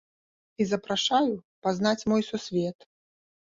І запрашаю пазнаць мой сусвет!